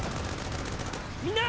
みんな！